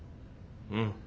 うん。